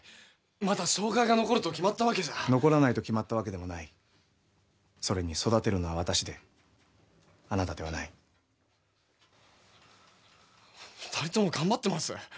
まだ障害が残ると決まったわけじゃ・残らないと決まったわけでもないそれに育てるのは私であなたではない二人ともがんばってます